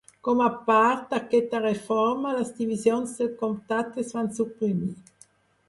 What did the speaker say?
Com a part d'aquesta reforma, les divisions del comtat es van suprimir.